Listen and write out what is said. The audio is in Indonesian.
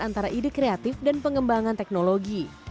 antara ide kreatif dan pengembangan teknologi